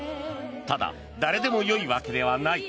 ただ、誰でもよいわけではない。